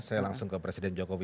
saya langsung ke presiden jokowi